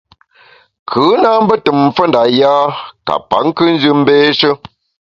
Kù na mbe tùm mfe nda yâ ka pa nkùnjù mbééshe.